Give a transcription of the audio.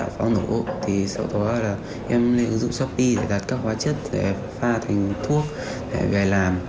pháo nổ thì sau đó là em ứng dụng shopee để đặt các hóa chất để pha thành thuốc để về làm